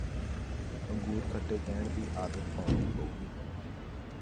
ਅੰਗੂਰ ਖੱਟੇ ਕਹਿਣ ਦੀ ਆਦਤ ਪਾਉਣੀ ਪਊਗੀ